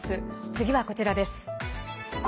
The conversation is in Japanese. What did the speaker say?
次はこちらです。